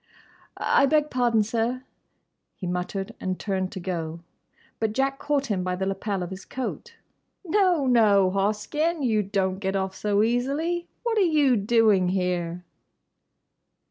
"I beg pardon, sir," he muttered, and turned to go. But Jack caught him by the lapel of his coat. "No, no, Hoskyn; you don't get off so easily. What are you doing here?"